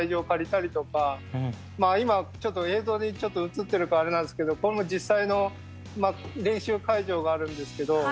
今映像でちょっと映ってるかあれなんですけど実際の練習会場があるんですけど。